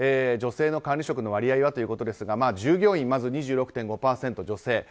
女性の管理職の割合はということですが従業員２６．５％女性。